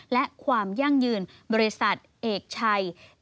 และความยั่งยืนบริษัทเอกชัย